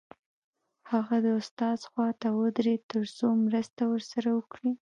هغه د استاد خواته ودرېد تر څو مرسته ورسره وکړي